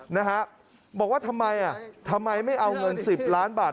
นะครับบอกว่าทำไมทำไมไม่เอาเงิน๑๐ล้านบาท